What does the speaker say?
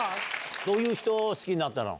どういう人を好きになったの？